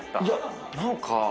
いや何か。